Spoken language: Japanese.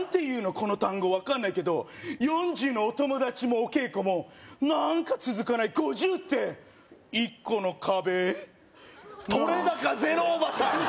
この単語分かんないけど４０のお友達もお稽古も何か続かない５０って１個の壁撮れ高ゼロおばさん！